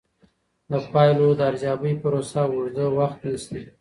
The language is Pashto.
د پایلو د ارزیابۍ پروسه اوږده وخت نیسي.